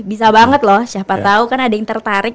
bisa banget loh siapa tahu kan ada yang tertarik